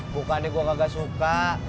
bukannya gue gak suka